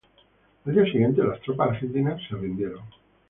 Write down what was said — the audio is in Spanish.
Al día siguiente las tropas argentinas se rindieron.